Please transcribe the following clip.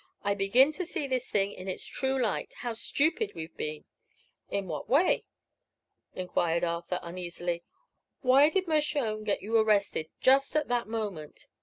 "I begin to see this thing in its true light. How stupid we've been!" "In what way?" enquired Arthur, uneasily. "Why did Mershone get you arrested, just at that moment?"